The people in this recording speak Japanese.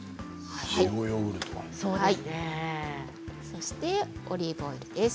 そしてオリーブオイルです。